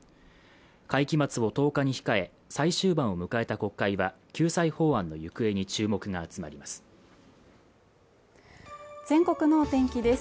会期末を１０日に控え最終盤を迎えた国会は救済法案の行方に注目が集まります全国のお天気です